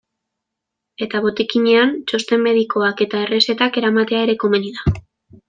Eta botikinean txosten medikoak eta errezetak eramatea ere komeni da.